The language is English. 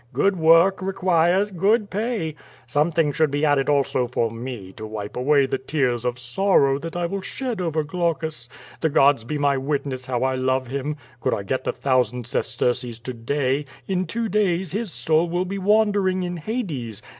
Good work requires good pay. Something should be added also for me, to wipe away the tears of sorrow that I will shed over Glaucus. The gods be my witness how I love him. Could I get the thousand ses terces to day, in two days his soul will be wandering in Hades.